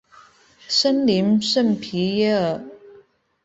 森林圣皮耶尔。